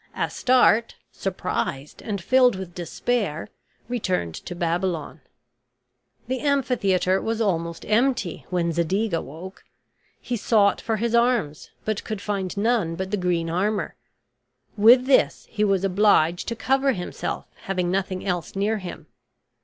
Astarte, surprised and filled with despair, returned to Babylon. The amphitheater was almost empty when Zadig awoke; he sought for his arms, but could find none but the green armor. With this he was obliged to cover himself, having nothing else near him.